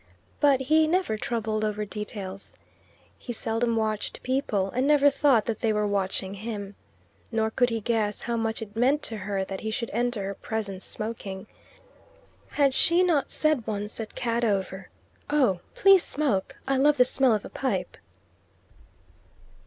But he never troubled over "details." He seldom watched people, and never thought that they were watching him. Nor could he guess how much it meant to her that he should enter her presence smoking. Had she not said once at Cadover, "Oh, please smoke; I love the smell of a pipe"?